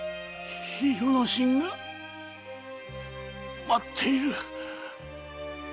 広之進が待っている。